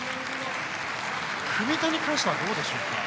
組み手に関してはどうでしょう？